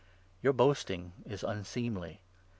Your boasting is unseemly.